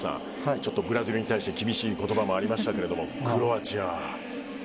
ちょっとブラジルに対して厳しい言葉もありましたがクロアチアは。